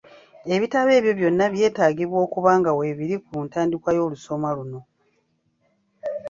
Ebitabo ebyo byonna byetaagibwa okuba nga weebiri ku ntandikwa y'olusoma luno.